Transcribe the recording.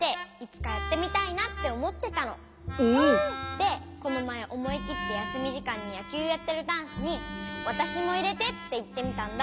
でこのまえおもいきってやすみじかんにやきゅうやってるだんしに「わたしもいれて」っていってみたんだ。